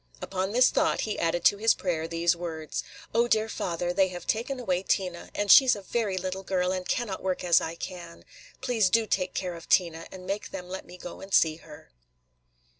Upon this thought, he added to his prayer these words: "O dear Father! they have taken away Tina; and she 's a very little girl, and cannot work as I can. Please do take care of Tina, and make them let me go and see her."